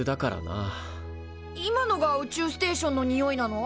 今のが宇宙ステーションのにおいなの？